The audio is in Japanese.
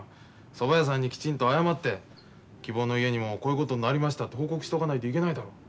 そば屋さんにきちんと謝って希望の家にもこういうことになりましたって報告しとかないといけないだろう。